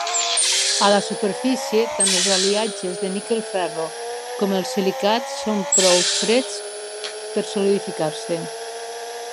A la superfície, tant els aliatges de níquel-ferro com els silicats són prou freds per solidificar-se.